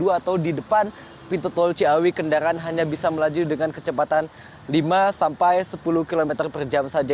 atau di depan pintu tol ciawi kendaraan hanya bisa melaju dengan kecepatan lima sampai sepuluh km per jam saja